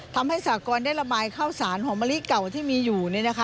ทำให้สหกรณ์ได้ระบายข้าวศาลของบริเกียรติเก่าที่มีอยู่